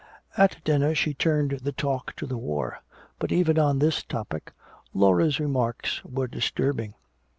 At dinner she turned the talk to the war. But even on this topic, Laura's remarks were disturbing.